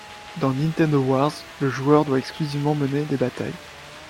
Dans Nintendo Wars, le joueur doit exclusivement mener des batailles.